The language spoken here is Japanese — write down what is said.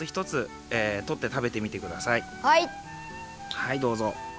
はいどうぞ。